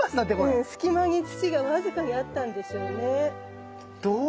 うん隙間に土が僅かにあったんでしょうね。